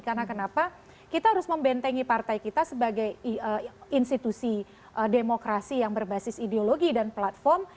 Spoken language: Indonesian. karena kenapa kita harus membentengi partai kita sebagai institusi demokrasi yang berbasis ideologi dan platform